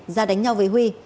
ra đánh nhau